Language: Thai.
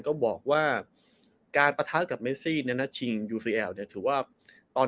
ก็บอกว่าการปะทะกับเมซี่ในนัดชิงยูซีแอลเนี่ยถือว่าตอน